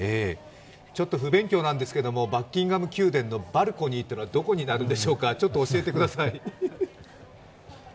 ちょっと不勉強なんですけど、バッキンガム宮殿のバルコニーというのはどこになるんでしょうか、ちょっと教えてください。